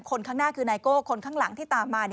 คนข้างหน้าคือไนโก้คนข้างหลังที่ตามมา